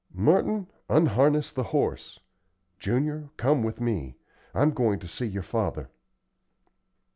Merton, unharness the horse. Junior, come with me; I'm going to see your father."